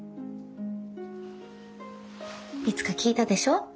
いつか聞いたでしょ？